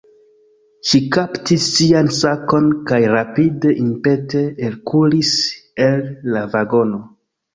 Ŝi kaptis sian sakon kaj rapide impete elkuris el la vagono.